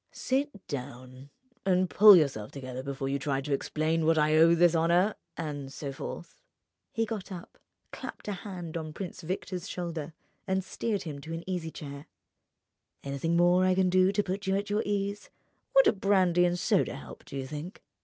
Sit down and pull yourself together before you try to explain to what I owe this honour—and so forth." He got up, clapped a hand on Prince Victor's shoulder, and steered him into an easy chair. "Anything more I can do to put you at your ease? Would a brandy and soda help, do you think?"